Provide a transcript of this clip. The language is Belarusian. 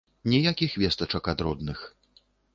Ніякіх вестачак ад родных.